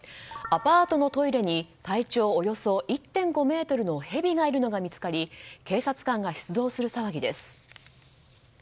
アパートのトイレに体長およそ１．５ｍのヘビがいるのが見つかり警察官が出動する騒ぎです。